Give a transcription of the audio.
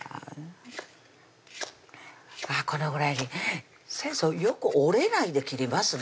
このぐらいに先生よく折れないで切りますね